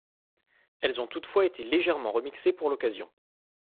Elles ont toutefois été légèrement remixées pour l'occasion.